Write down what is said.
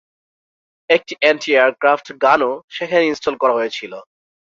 একটি "anti aircraft" গানও সেখানে ইনস্টল করা হয়েছিল।